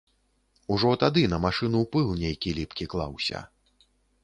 Ужо тады на машыну пыл нейкі ліпкі клаўся.